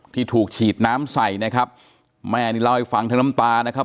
ที่ถูกฉีดน้ำใส่นะครับแม่นี่เล่าให้ฟังทั้งน้ำตานะครับ